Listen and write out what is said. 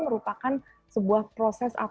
merupakan sebuah proses